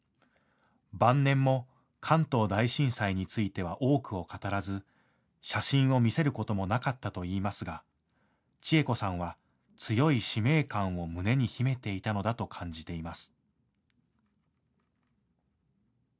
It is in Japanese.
晩年も関東大震災については多くを語らず写真を見せることもなかったといいますが千枝子さんは強い使命感を胸に秘めていたのだと感じています。